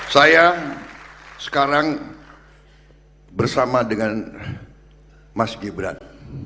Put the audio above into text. saya sekarang bersama dengan mas gibran